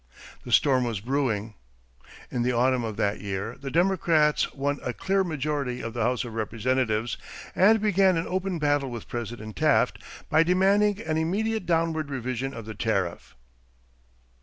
The storm was brewing. In the autumn of that year the Democrats won a clear majority in the House of Representatives and began an open battle with President Taft by demanding an immediate downward revision of the tariff.